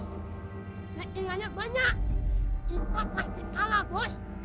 kita pasti kalah bos